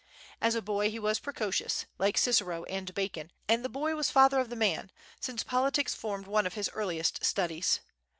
As a boy he was precocious, like Cicero and Bacon; and the boy was father of the man, since politics formed one of his earliest studies.